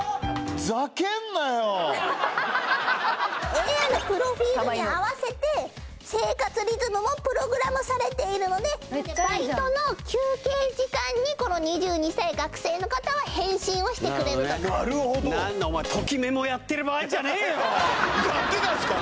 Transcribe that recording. ＡＩのプロフィールに合わせて生活リズムもプログラムされているのでバイトの休憩時間にこの２２歳学生の方は返信をしてくれるとなるほどやってたんすか？